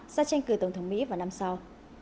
ra tranh cử tổng thống mỹ vào năm sau